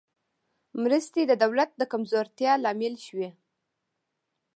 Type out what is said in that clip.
مرستې د دولت د کمزورتیا لامل شوې.